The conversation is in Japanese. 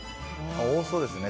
多そうですよね